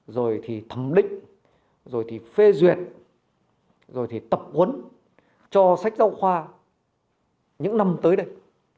rồi thì thẩm định rồi thì phê duyệt rồi thì tập huấn cho sách giáo khoa những năm tới đây